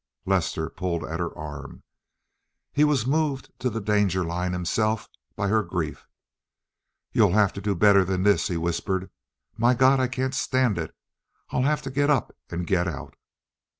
Lester pulled at her arm. He was moved to the danger line himself by her grief. "You'll have to do better than this," he whispered. "My God, I can't stand it. I'll have to get up and get out."